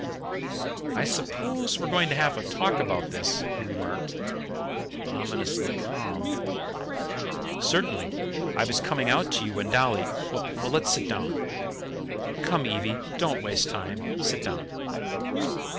"I suppose we're going to have a talk about this?" he remarked, ominously calm. "Certainly. I was coming out to you when Dolly " "Well, let's sit down." "Come, Evie, don't waste time, sit down."